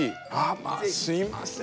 まあすいません。